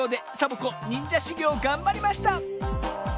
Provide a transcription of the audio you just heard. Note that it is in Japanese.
サボ子にんじゃしゅぎょうをがんばりました